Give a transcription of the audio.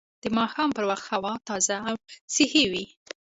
د ماښام په وخت هوا تازه او صحي وي